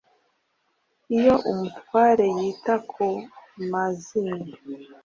iyo umutware yita ku mazimwe